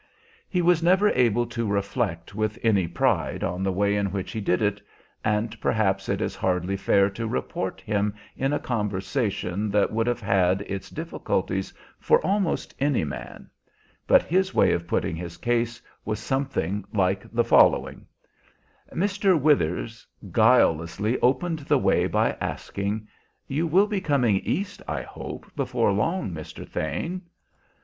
He was never able to reflect with any pride on the way in which he did it, and perhaps it is hardly fair to report him in a conversation that would have had its difficulties for almost any man; but his way of putting his case was something like the following, Mr. Withers guilelessly opening the way by asking, "You will be coming East, I hope, before long, Mr. Thane?"